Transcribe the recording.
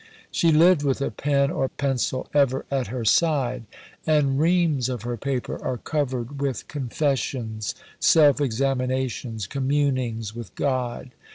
She lived with a pen or pencil ever at her side; and reams of her paper are covered with confessions, self examinations, communings with God.